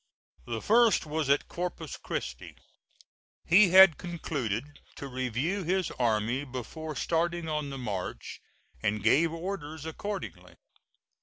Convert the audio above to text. The first was at Corpus Christi. He had concluded to review his army before starting on the march and gave orders accordingly.